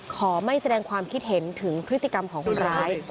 ขอไม่แสดงความคิดเห็นถึงพฤติกรรมของคนร้าย